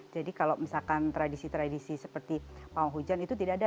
jadi kalau misalkan tradisi tradisi seperti pawang hujan itu tidak ada